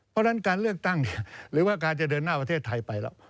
เพราะฉะนั้นการเลือกตั้งหรือว่าการจะเดินหน้าประเทศไทยไปแล้ว